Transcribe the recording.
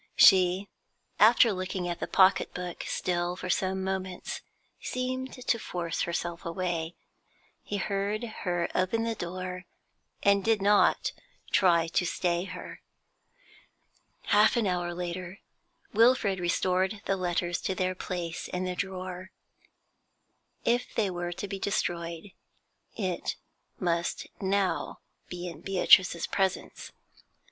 She, after looking at the pocket book still for some moments, seemed to force herself away. He heard her open the door, and did not try to stay her. Half an hour later, Wilfrid restored the letters to their place in the drawer. If they were to be destroyed, it must now be in Beatrice's presence.